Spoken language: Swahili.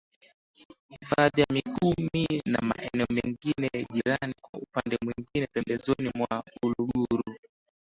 hifadhi ya Mikumi na maeneo mengine ya jiraniKwa upande mwingine pembezoni mwa Uluguru